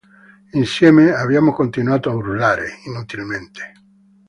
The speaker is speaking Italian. Insieme abbiamo continuato a urlare, inutilmente.